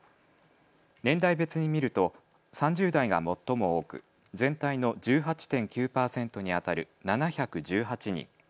年代別に見ると３０代が最も多く全体の１８．９％にあたる７１８人。